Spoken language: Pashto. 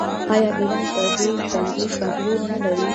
آیا ایران پر دې تنګي کنټرول نلري؟